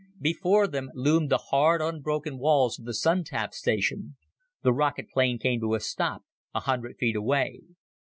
Before them loomed the hard unbroken walls of the Sun tap station. The rocket plane came to a stop a hundred feet away.